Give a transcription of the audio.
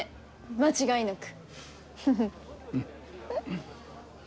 間違いなく。